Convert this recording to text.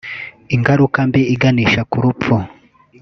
ingaruka mbi iganisha ku rupfu